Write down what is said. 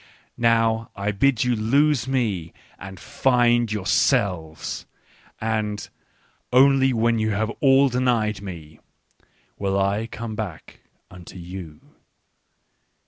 " Now I bid you lose me and find yourselves ; a nd only when ye nave ainienietf1ine~wiirr"c ome back unto vou."